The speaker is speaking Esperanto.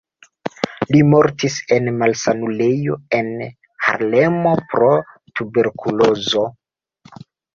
Li mortis en malsanulejo en Harlemo pro tuberkulozo.